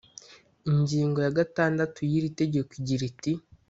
Ingingo ya gatandatu y’iri tegeko igira iti